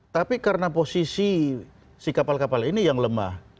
tapi karena posisi si kapal kapal ini yang lemah